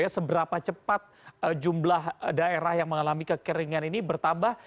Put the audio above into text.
seberapa cepat jumlah daerah yang mengalami kekeringan ini bertambah